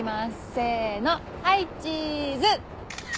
せーのはいチーズ！